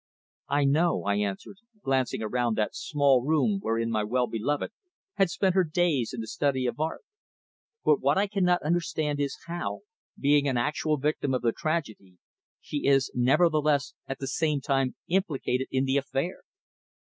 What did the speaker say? "I know," I answered, glancing around that small room wherein my well beloved had spent her days in the study of art. "But what I cannot understand is how, being an actual victim of the tragedy, she is nevertheless at the same time implicated in the affair."